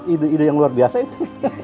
ide ide yang luar biasa itu